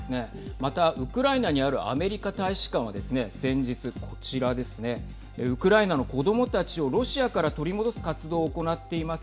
また、ウクライナにあるアメリカ大使館はですね先日こちらですねウクライナの子どもたちをロシアから取り戻す活動を行っています。